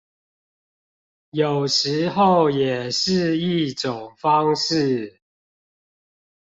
有時候也是一種方式